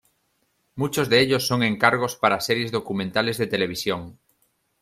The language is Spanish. Muchos de ellos son encargos para series documentales de televisión.